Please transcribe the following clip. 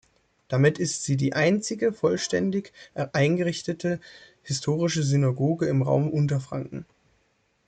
Damit ist sie die einzige vollständig eingerichtete historische Synagoge im Raum Unterfranken.